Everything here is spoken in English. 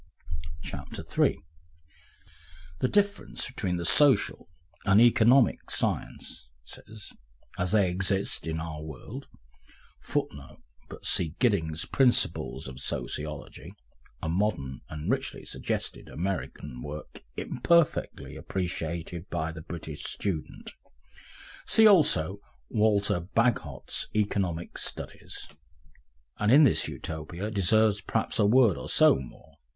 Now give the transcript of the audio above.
Section 3 The difference between the social and economic sciences as they exist in our world [Footnote: But see Gidding's Principles of Sociology, a modern and richly suggestive American work, imperfectly appreciated by the British student. See also Walter Bagehot's Economic Studies.] and in this Utopia deserves perhaps a word or so more.